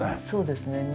そうですね。